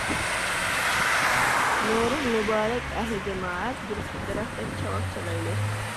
نورۇز مۇبارەك ئەھلى جامائەت، بىر تۈپ دەرەختەك چاۋاك چالايلى.